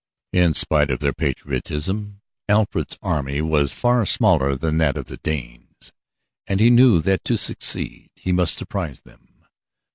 In spite of their patriotism, Alfred's army was far smaller than that of the Danes, and he knew that to succeed he must surprise them.